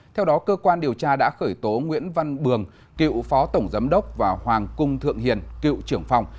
theo đó cơ quan điều tra đã khởi tố nguyễn văn bường cựu phó tổng giám đốc và hoàng cung thượng hiền cựu trưởng phòng